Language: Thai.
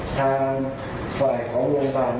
ทางฝ่ายของโรงพยาบาล